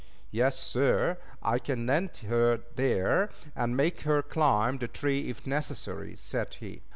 "Yes, sir; I can land her there, and make her climb the tree if necessary," said he.